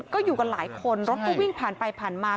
ก็อยู่กันหลายคนรถก็วิ่งผ่านไปผ่านมา